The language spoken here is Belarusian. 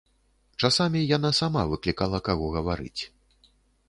Часамі яна сама выклікала каго гаварыць.